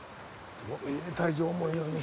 ごめんね体重重いのに。